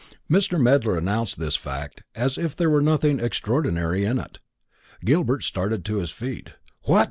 Mr. Medler announced this fact as if there were nothing extraordinary in it. Gilbert started to his feet. "What!"